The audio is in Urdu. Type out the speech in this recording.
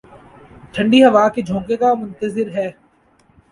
ٹھنڈی ہوا کے جھونکوں کا منتظر ہے